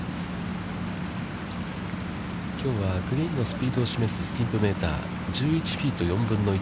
きょうはグリーンのスピードを示すスティンプメーター１１フィート４分の１。